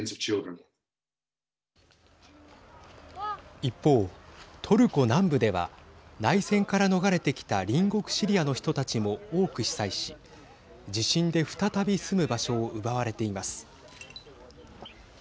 一方、トルコ南部では内戦から逃れてきた隣国シリアの人たちも多く被災し地震で再び住む場所を奪われています。